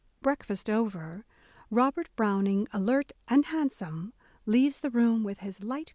Breakfast over, Robert Browning, alert and handsome, leaves the room with his light, A DAY WITH E.